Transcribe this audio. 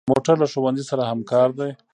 موټر له ښوونځي سره همکار دی.